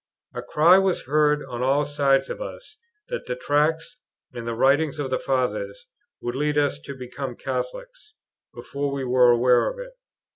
A cry was heard on all sides of us, that the Tracts and the writings of the Fathers would lead us to become Catholics, before we were aware of it.